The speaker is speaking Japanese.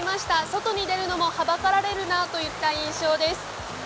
外に出るのもはばかられるなといった印象です。